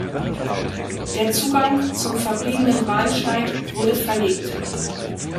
Der Zugang zum verbliebenen Bahnsteig wurde verlegt.